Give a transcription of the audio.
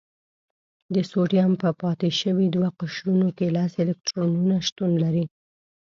د سوډیم په پاتې شوي دوه قشرونو کې لس الکترونونه شتون لري.